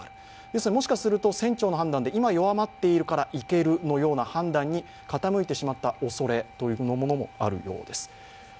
ですので、もしかすると船長の判断で、今弱まっているから行けるのような判断に傾いてしまったおそれもあるようです。